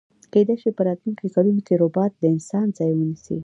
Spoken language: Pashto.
کیدای شی په راتلونکي کلونو کی ربات د انسان ځای ونیسي